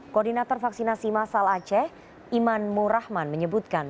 koordinator vaksinasi masal aceh iman murahman menyebutkan